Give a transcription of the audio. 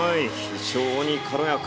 非常に軽やか。